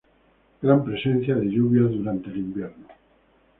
Gran presencia de lluvias durante el invierno.